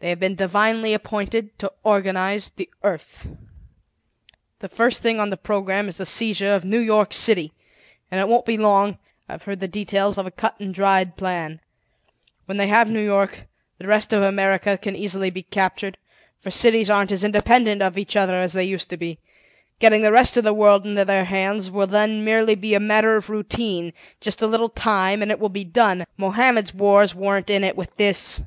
They have been divinely appointed to organize the earth. "The first thing on the program is the seizure of New York City. And, it won't be long; I've heard the details of a cut and dried plan. When they have New York, the rest of America can be easily captured, for cities aren't as independent of each other as they used to be. Getting the rest of the world into their hands will then be merely a matter of routine; just a little time, and it will be done. Mohammed's wars weren't in it with this!"